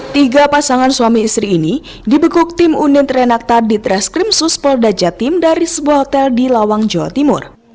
tiga pasangan suami istri ini dibekuk tim unden terenak tardit reskrim suspol dajatim dari sebuah hotel di lawang jawa timur